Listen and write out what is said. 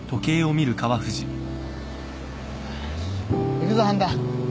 行くぞ半田。